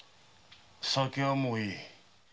酒はもういい。